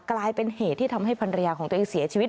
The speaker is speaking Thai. กลายเป็นเหตุที่ทำให้ภรรยาของตัวเองเสียชีวิต